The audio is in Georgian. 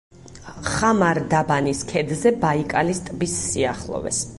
ხამარ-დაბანის ქედზე, ბაიკალის ტბის სიახლოვეს.